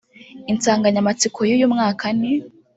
Insanganyamatsiko y’uyu mwaka ni